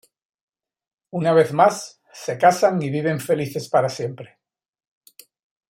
Una vez más, se casan y viven felices para siempre.